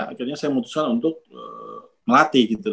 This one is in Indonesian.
akhirnya saya memutuskan untuk melatih gitu